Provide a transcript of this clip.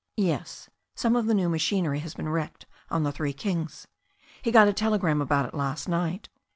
"Yes. Some of the new machinery has been wrecked on the Three Kings. He got a telegram about it last night.